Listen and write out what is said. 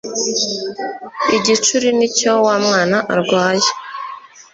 igicuri nicyo wamwana arwaye